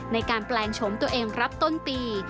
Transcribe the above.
ในการแปลงโฉมตัวเองรับต้นปี